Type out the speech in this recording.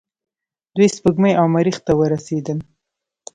دوی سپوږمۍ او مریخ ته ورسیدل.